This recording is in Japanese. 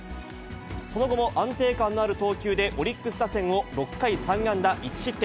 その後も安定感のある投球で、オリックス打線を６回３安打１失点。